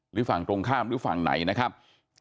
หรือฝั่งตรงข้ามหรือฝั่งไหนนะครับ